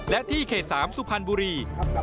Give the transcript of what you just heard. และที่เขต๓สุพรรณบุรี